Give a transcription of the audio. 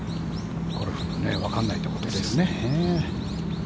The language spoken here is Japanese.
ゴルフのわからないところですね。